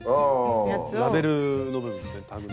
ラベルの部分ですねタグの。